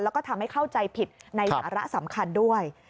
แล้วก็ทำให้เข้าใจผิดในสาระสำคัญด้วย